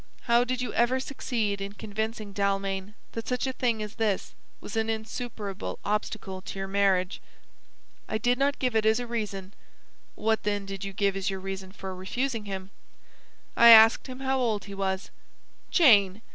How did you ever succeed in convincing Dalmain that such a thing as this was an insuperable obstacle to your marriage?" "I did not give it as a reason." "What then did you give as your reason for refusing him?" "I asked him how old he was." "Jane!